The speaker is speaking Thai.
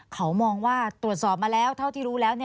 เขามองว่าตรวจสอบมาแล้วเท่าที่รู้แล้ว